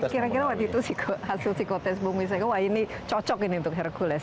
kira kira waktu itu hasil psikotest bumi seko wah ini cocok ini untuk hercules